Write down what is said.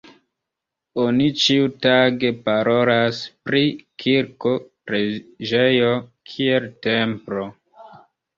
Oni ĉiutage parolas pri kirko, preĝejo kiel templo.